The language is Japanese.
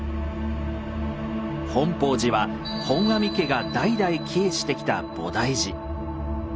本法寺は本阿弥家が代々帰依してきた菩提寺。